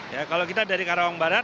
ya kalau kita dari karawang barat